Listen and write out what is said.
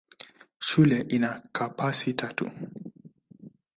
Shule ina kampasi tatu.